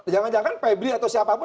jangan jangan febri atau siapapun